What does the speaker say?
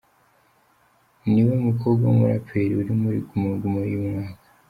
Niwe mukobwa w’ Umuraperi uri muri Guma Guma y’ uyu mwaka